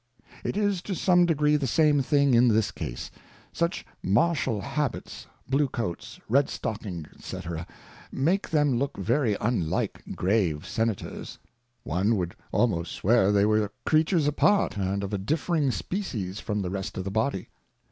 It is to some degree the same thing in this Case ; such Martial Habits, Blue Coats, Red Stockings, <SfC. make them look very unlike Grave Senators. One would almost swear they were Creatures apart, and of a differing Species from the rest of the Body.